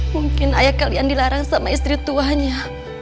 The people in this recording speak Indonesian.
mungkin ayah kalian dilarang sama istri tuanya